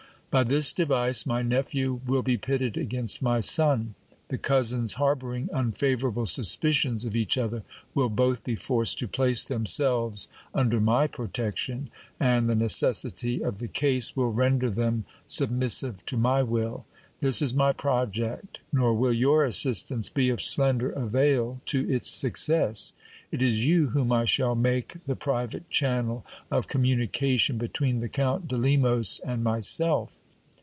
By this device, my nephew will be pitted against my son. The cousins harbouring unfavourable suspicions of each other, will both be forced to place themselves under my protection ; and the necessity of the case will render them submissive to my will. This is my project ; nor will your GIL BLAS AT COURT. 285 assistance be of slender avail to its success. It is you whom I shall make the private channel of communication between the Count de Lemos and myself.